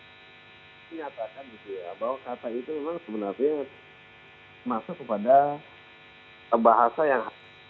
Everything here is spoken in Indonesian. saya menyatakan bahwa kata itu memang sebenarnya masuk kepada bahasa yang